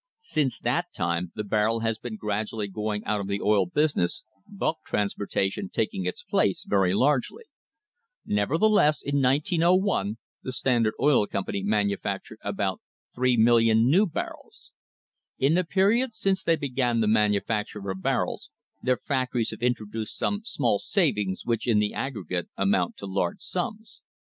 Since that time the barrel has been gradually going out of the oil business, bulk transportation taking its place very largely. Nevertheless, in 1901 the Standard Oil Company manufactured about 3,000,000 new barrels. In the period since they began the manufacture of barrels their fac tories have introduced some small savings which in the aggre gate amount to large sums.